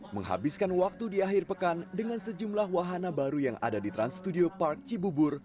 menghabiskan waktu di akhir pekan dengan sejumlah wahana baru yang ada di trans studio park cibubur